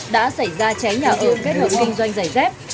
đã xảy ra cháy nhà ở kết hợp kinh doanh giày dép